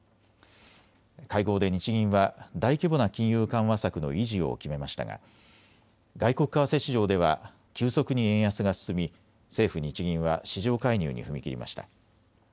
会合で日銀は大規模な金融緩和策の維持を決めましたが外国為替市場では急速に円安が進み政府・日銀は市場介入に踏み切りました。